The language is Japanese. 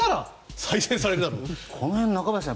この辺、中林さん